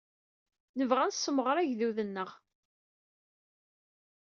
Nebɣa ad nessemɣer agdud-nneɣ.